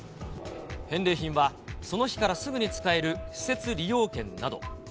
返礼品はその日からすぐに使える施設利用券など。